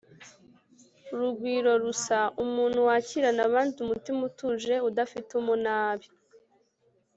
rugwirorusa: umuntu wakirana abandi umutima utuje, udafite umunabi